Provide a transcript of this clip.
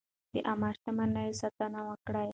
د عامه شتمنیو ساتنه وکړئ.